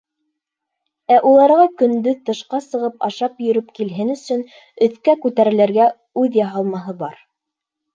Ә уларға, көндөҙ тышҡа сығып ашап йөрөп килһен өсөн, өҫкә күтәрелергә үҙ яһалмаһы бар.